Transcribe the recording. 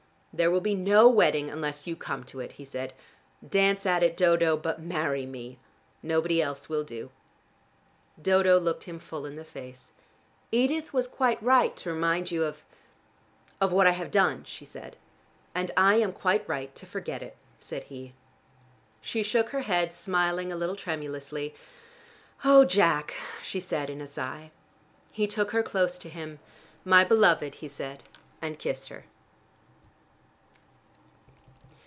"There will be no wedding unless you come to it," he said. "Dance at it, Dodo, but marry me. Nobody else will do." Dodo looked him full in the face. "Edith was quite right to remind you of of what I have done," she said. "And I am quite right to forget it," said he. She shook her head, smiling a little tremulously. "Oh, Jack," she said in a sigh. He took her close to him. "My beloved," he said, and kissed her.